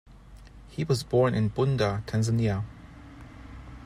He was born in Bunda, Tanzania.